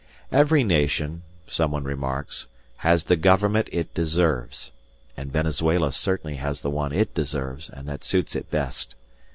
Every nation, someone remarks, has the government it deserves, and Venezuela certainly has the one it deserves and that suits it best.